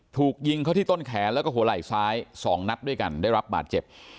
ถูกยิงเข้าที่ต้นแขนแล้วก็หัวไหล่ซ้าย๒นัดด้วยกันได้รับบาดเจ็บ